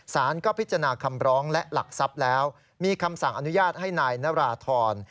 สารก็พิจารณาคำร้องและหลักทรัพย์แล้วมีคำสั่งอนุญาตให้นายนราธร